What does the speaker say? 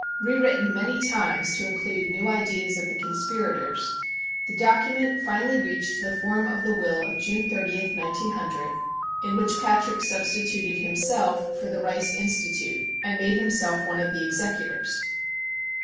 Rewritten many times to include new ideas of the conspirators, the document finally reached the form of the will of June 30, 1900, in which Patrick substituted himself for the Rice Institute and made himself one of the executors.